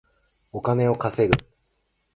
お金を稼ぐ